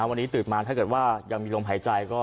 วันนี้ตื่นมาถ้าเกิดว่ายังมีลมหายใจก็